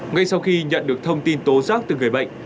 ngay sau khi nhận được thông tin tố giác từ người bệnh